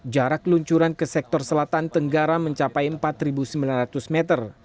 jarak luncuran ke sektor selatan tenggara mencapai empat sembilan ratus meter